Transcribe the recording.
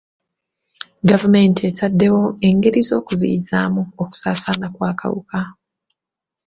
Gavumenti etaddewo engeri z'okuziyizaamu okusaasaana kw'akawuka.